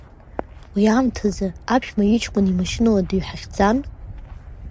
Уи аамҭазы, аԥшәма иҷкәын имашьынала дыҩҳахьӡан…